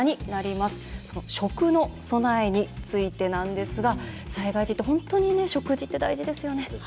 食の備えについてなんですが災害時って本当に食事って大事ですよね。